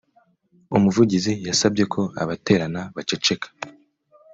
Umuvugizi yasabye ko abaterana baceceka